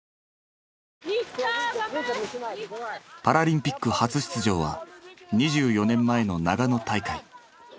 パラリンピック初出場は２４年前の長野大会。